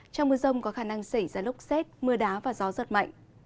trong mưa rông có khả năng xảy ra lốc xét mưa đá và gió giật mạnh